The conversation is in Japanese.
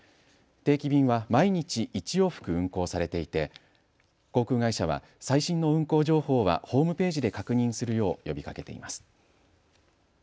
定期便は毎日１往復運航されていて航空会社は最新の運航情報はホームページで確認するよう呼びかけています。